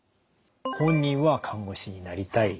本人は看護師になりたい。